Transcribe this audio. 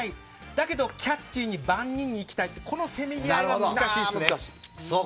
だけどキャッチーに万人に行きたいこのせめぎ合いが難しいですね。